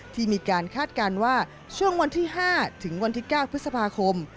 ที่มีการคาดการณ์ว่าช่วงวันที่๕ถึงวันที่๙พฤษภาคม